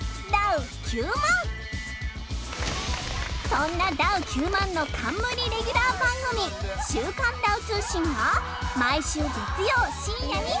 そんなダウ９００００の冠レギュラー番組『週刊ダウ通信』が毎週月曜深夜に放送中